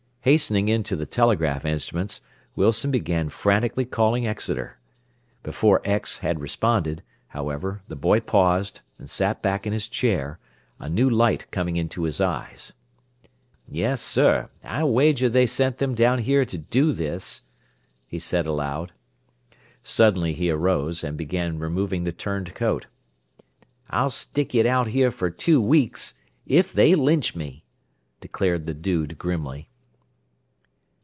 Hastening in to the telegraph instruments, Wilson began frantically calling Exeter. Before X had responded, however, the boy paused, and sat back in his chair, a new light coming into his eyes. "Yes, sir; I'll wager they sent them down here to do this," he said aloud. Suddenly he arose, and began removing the turned coat. "I'll stick it out here for two weeks if they lynch me!" declared the "dude" grimly.